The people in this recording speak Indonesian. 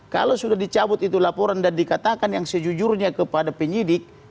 kalau sudah dicabut itu laporan dan dikatakan yang sejujurnya kepada penyidik